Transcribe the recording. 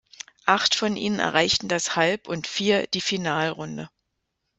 Acht von ihnen erreichten das Halb- und vier die Finalrunde.